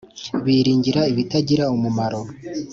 biringira ibitagira umumaro .